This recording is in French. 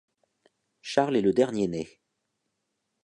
Charles est le dernier né.